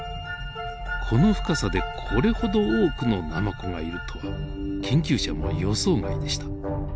この深さでこれほど多くのナマコがいるとは研究者も予想外でした。